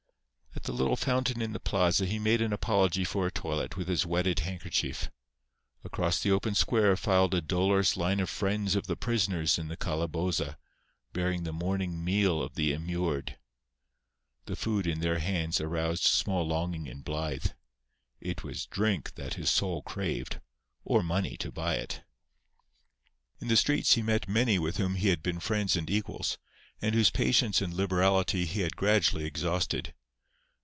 At the little fountain in the plaza he made an apology for a toilet with his wetted handkerchief. Across the open square filed the dolorous line of friends of the prisoners in the calaboza, bearing the morning meal of the immured. The food in their hands aroused small longing in Blythe. It was drink that his soul craved, or money to buy it. In the streets he met many with whom he had been friends and equals, and whose patience and liberality he had gradually exhausted.